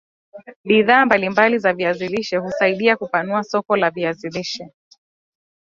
Bidhaa mbalimbali za viazi lishe husaidia kupanua soko la viazi lishe